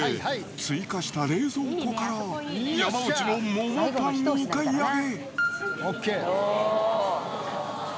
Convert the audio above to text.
追加した冷蔵庫から、山内の桃パンをお買い上げ。